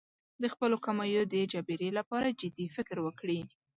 د خپلو کمیو د جبېرې لپاره جدي فکر وکړي.